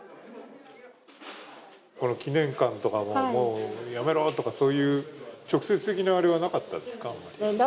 この祈念館とかも、もうやめろとか直接的なあれはなかったですか？